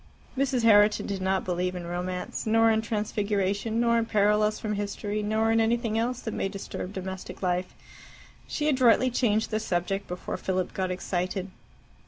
Mrs. Herriton did not believe in romance nor in transfiguration, nor in parallels from history, nor in anything else that may disturb domestic life. She adroitly changed the subject before Philip got excited.